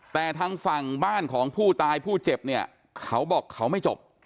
แต่ทางฝั่งบ้านของผู้ตายผู้เจ็บเนี่ยเขาบอกเขาไม่จบ